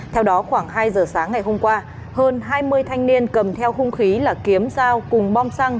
theo đó khoảng hai giờ sáng ngày hôm qua hơn hai mươi thanh niên cầm theo khung khí là kiếm dao cùng bom xăng